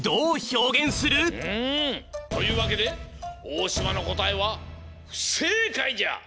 うんというわけで大島のこたえはふせいかいじゃ。